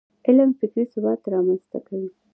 علم فکري ثبات رامنځته کوي.